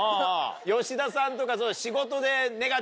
吉田さんとか。